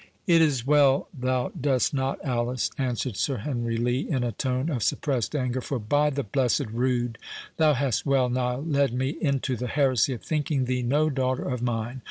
"It is well thou dost not, Alice," answered Sir Henry Lee, in a tone of suppressed anger; "for, by the blessed Rood, thou hast well nigh led me into the heresy of thinking thee no daughter of mine.